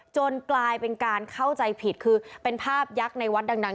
กลายเป็นการเข้าใจผิดคือเป็นภาพยักษ์ในวัดดัง